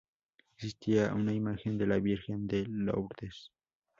Existía una imagen de la Virgen de Lourdes.